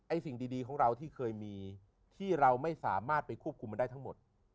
สิ่งดีของเราที่เคยมีที่เราไม่สามารถไปควบคุมมันได้ทั้งหมด